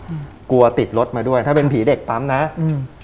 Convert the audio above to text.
กลัวติดรถมาด้วยถ้าเป็นผีเด็กปั๊มนะอืม